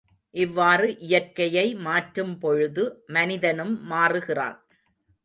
இவ்வாறு இயற்கையை மாற்றும் பொழுது மனிதனும் மாறுகிறான்.